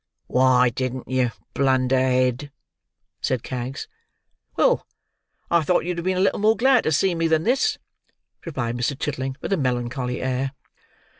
"Why didn't you, blunder head!" said Kags. "Well, I thought you'd have been a little more glad to see me than this," replied Mr. Chitling, with a melancholy air.